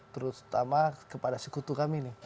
terutama kepada sekutu kami nih